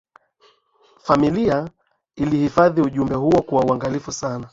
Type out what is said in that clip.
familia iliihifadhi ujumbe huo kwa uangalifu sana